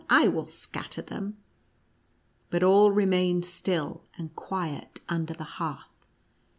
I "will scatter them !" But all remained still and quiet under the hearth.